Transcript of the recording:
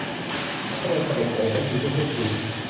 เขาแค่เดินเตร็ดเตร่และหยุดเพื่อพูดคุย